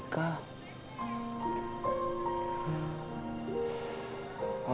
bikin pekak komenhoo